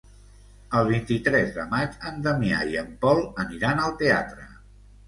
El vint-i-tres de maig en Damià i en Pol aniran al teatre.